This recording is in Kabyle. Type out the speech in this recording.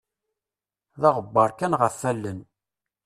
D aɣebbaṛ kan ɣef allen.